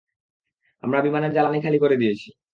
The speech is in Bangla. আমরা বিমানের জ্বালানি খালি করে দিয়েছি।